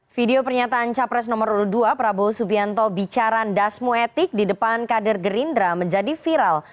video pernyataan capres nomor urut dua prabowo subianto bicara dasmu etik di depan kader gerindra menjadi viral